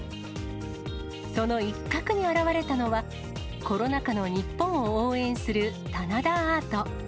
その一角に現れたのは、コロナ禍の日本を応援する棚田アート。